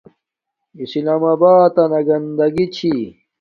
اسلام آباتنا گنداگی نا